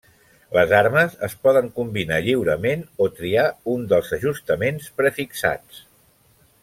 Les armes es poden combinar lliurement o triar un dels ajustaments prefixats.